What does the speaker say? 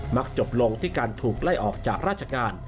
จบลงที่การถูกไล่ออกจากราชการ